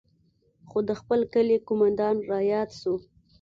خو د خپل کلي قومندان راياد سو.